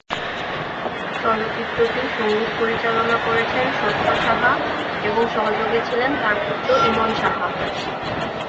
চলচ্চিত্রটির সঙ্গীত পরিচালনা করেছেন সত্য সাহা এবং সহযোগী ছিলেন তার পুত্র ইমন সাহা।